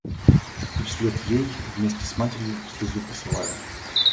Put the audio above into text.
И вслед ей, вместе с матерью, слезу посылаю.